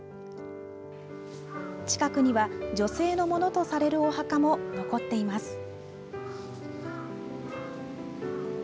近くには女性のものとされるお墓も残っています。